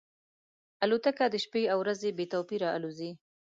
الوتکه د شپې او ورځې بې توپیره الوزي.